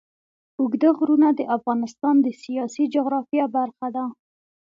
اوږده غرونه د افغانستان د سیاسي جغرافیه برخه ده.